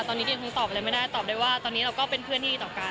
ตอนนี้ดิฉันคงตอบอะไรไม่ได้ตอบได้ว่าตอนนี้เราก็เป็นเพื่อนที่ดีต่อกัน